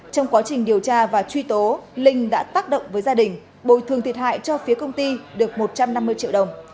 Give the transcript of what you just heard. trong quá trình điều tra và truy tố linh đã tác động với gia đình bồi thường thiệt hại cho phía công ty được một trăm năm mươi triệu đồng